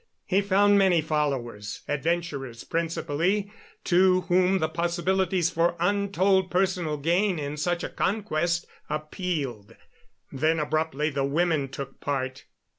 He found many followers adventurers, principally, to whom the possibilities for untold personal gain in such a conquest appealed. Then abruptly the women took part.